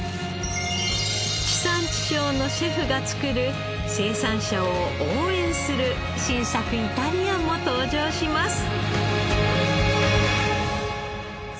地産地消のシェフが作る生産者を応援する新作イタリアンも登場します。